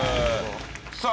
さあ